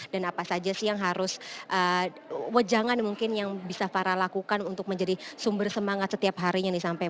dan apa saja sih yang harus jangan mungkin yang bisa farah lakukan untuk menjadi sumber semangat setiap harinya nih